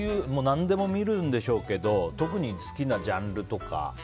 何でも見るんでしょうけど特に好きなジャンルとか。